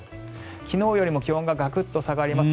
昨日よりも気温がガクッと下がります。